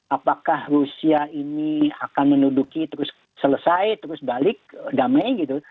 apakah rusia ini akan menuduki terus selesai terus balik damai gitu